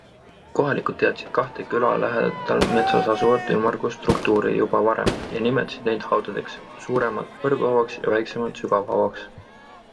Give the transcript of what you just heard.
Kohalikud teadsid kahte küla lähedal metsas asuvat ümmargust struktuuri juba varem ja nimetasid neid haudadeks - suuremat Põrguhauaks ja väiksemat Sügavhauaks.